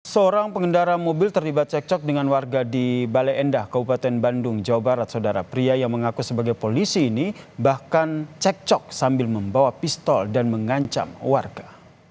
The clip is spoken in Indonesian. seorang pengendara mobil terlibat cekcok dengan warga di balai endah kabupaten bandung jawa barat saudara pria yang mengaku sebagai polisi ini bahkan cek cok sambil membawa pistol dan mengancam warga